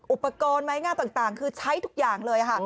อุปกรณ์ไม้งามต่างคือใช้ทุกอย่างเลยค่ะ